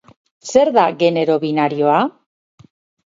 Zer da genero binarioa?